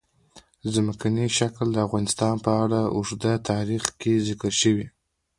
ځمکنی شکل د افغانستان په اوږده تاریخ کې ذکر شوی دی.